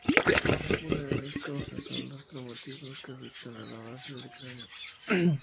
Una de las causas son los traumatismos que afectan a la base del cráneo.